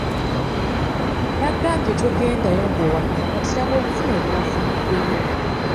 Nakugambye togendayo nga owakana kati laba obuvune bw'ofuniddeyo.